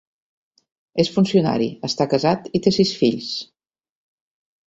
És funcionari, està casat i té sis fills.